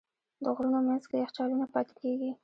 د غرونو منځ کې یخچالونه پاتې کېږي.